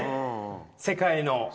世界の。